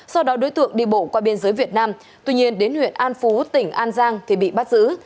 sau đó đối tượng đi bộ qua biên giới việt nam tuy nhiên đến huyện an phú tỉnh an giang thì bị bắt giữ